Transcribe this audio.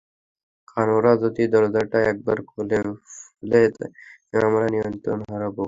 কারণ, ওরা যদি দরজাটা একবার খুলে ফেলে আমরা নিয়ন্ত্রণ হারাব!